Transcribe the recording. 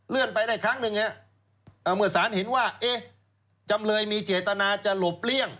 ไปได้ครั้งหนึ่งเมื่อสารเห็นว่าเอ๊ะจำเลยมีเจตนาจะหลบเลี่ยง